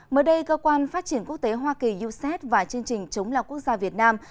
mới đây cơ quan phát triển quốc tế hoa kỳ uced và chương trình chống lao quốc gia việt nam